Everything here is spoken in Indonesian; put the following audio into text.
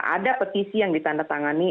ada petisi yang ditandatangani